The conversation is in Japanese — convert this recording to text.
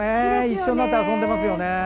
一緒になって遊んでいますよね。